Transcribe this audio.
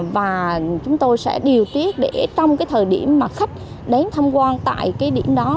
và chúng tôi sẽ điều tiết để trong cái thời điểm mà khách đến tham quan tại cái điểm đó